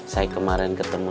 saya kemarin ketemu